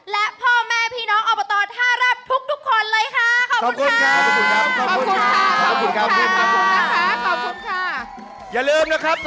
และพ่อแม่พี่น้องอบตท่ารักษ์ทุกคนเลยค่ะ